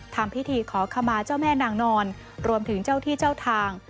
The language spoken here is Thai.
ทำพิธีขอขมาเจ้าแม่นางนอนรวมถึงเจ้าที่เจ้าทาง